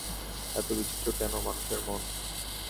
এত বিচিত্র কেন মানুষের মন!